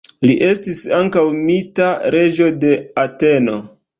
Li estis ankaŭ mita reĝo de Ateno.